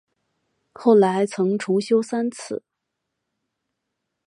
后来曾重修三次。